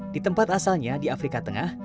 di tempat asalnya di afrika tengah